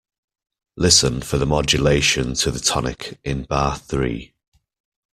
Listen for the modulation to the tonic in bar three.